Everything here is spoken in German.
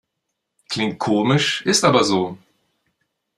Klingt komisch, ist aber so.